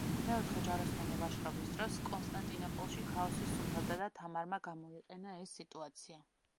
მეოთხე ჯვაროსნული ლაშქრობის დროს კონსტანტინოპოლში ქაოსი სუფევდა და თამარმა გამოიყენა ეს სიტუაცია.